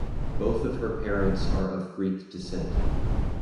Both of her parents are of Greek descent.